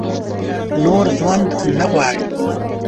نور ژوند نه غواړي ؟